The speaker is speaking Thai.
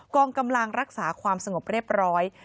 กองกำลังรักษาความสงบเรียบร้อย